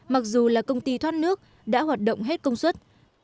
mặc dù là công ty thoát nước đã hoạt động hết công suất